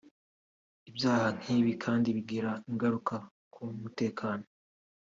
Ibyaha nk’ibi kandi bigira ingaruka ku mutekano